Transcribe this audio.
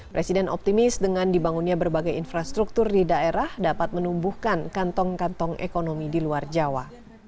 presiden optimis dengan dibangunnya berbagai infrastruktur di daerah dapat menumbuhkan kantong kantong ekonomi di luar jawa